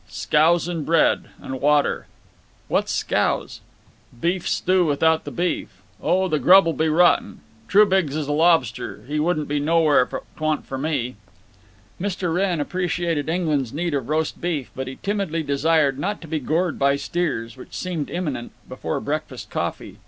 "Scouse and bread. And water." "What's scouse?" "Beef stew without the beef. Oh, the grub'll be rotten. Trubiggs is a lobster. He wouldn't be nowhere if 't wa'n't for me." Mr. Wrenn appreciated England's need of roast beef, but he timidly desired not to be gored by steers, which seemed imminent, before breakfast coffee.